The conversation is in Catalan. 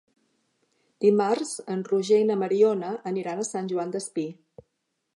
Dimarts en Roger i na Mariona aniran a Sant Joan Despí.